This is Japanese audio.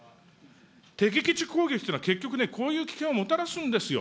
敵基地攻撃というのは結局ね、こういう危険をもたらすんですよ。